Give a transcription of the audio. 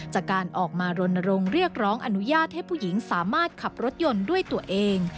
จากการออกมารณรงค์เรียกร้องอนุญาตให้ผู้หญิงสามารถขับรถยนต์ด้วยตัวเอง